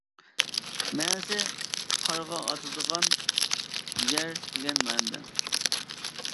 مەنىسى قارغا ئاتىدىغان يەر دېگەن مەنىدە.